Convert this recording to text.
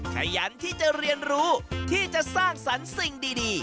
ขยันที่จะเรียนรู้ที่จะสร้างสรรค์สิ่งดี